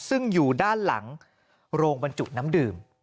ซึ่งอยู่ด้านหลังโรงบรรจุน้ำดื่ม